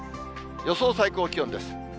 予想最高気温です。